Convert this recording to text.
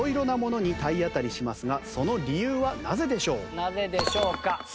続くなぜでしょうか？